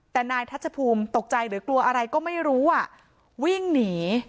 แต่นายทัชภูมิตกใจหรือกลัวอะไรก็ไม่รู้อ่ะวิ่งหนี